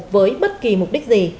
với bất kỳ mục đích gì